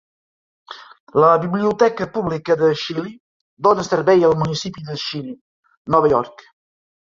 La Biblioteca pública de Chili dóna servei al municipi de Chili, Nova York.